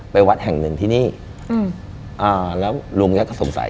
ไปวัดแห่ง๑ที่นี่แล้วลุงแกก็สงสัย